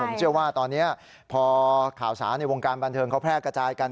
ผมเชื่อว่าตอนนี้พอข่าวสารในวงการบันเทิงเขาแพร่กระจายกัน